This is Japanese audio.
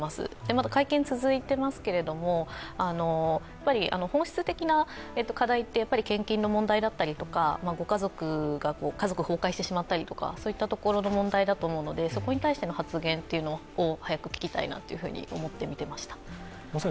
まだ会見が続いていますけれども本質的な課題って、献金の問題だったりとか家族崩壊してしまったり、そういったところの問題だと思うのでそこに対しての発言を早く聞きたいと思って見ていました。